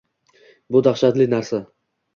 Bu dahshatli narsa